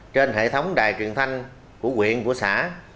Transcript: trên hệ thống đài truyền thanh của quyện của xã